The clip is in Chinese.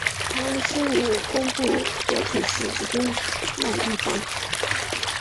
他生于工布博楚寺之中麦地方。